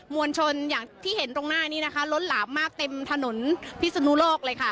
วลชนอย่างที่เห็นตรงหน้านี้นะคะล้นหลามมากเต็มถนนพิศนุโลกเลยค่ะ